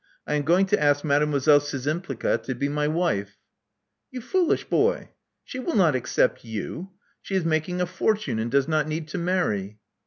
I am going to ask Mademoiselle Szczympliga to be my wife." You foolish boy! She will not accept 7^//. She is making a fortune, and does not need to marry."